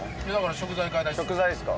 食材ですか。